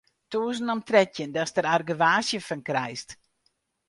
Tûzen om trettjin datst der argewaasje fan krijst.